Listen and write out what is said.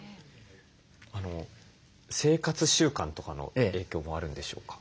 生活習慣とかの影響もあるんでしょうか？